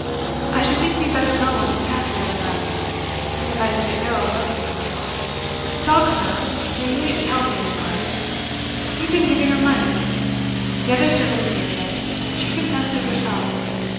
'I should think you'd better go and look after your dear Emma. As if I didn't know what's been going on! It's all come out, so you needn't tell me any lies. You've been giving her money. The other servants knew of it; she confessed it herself.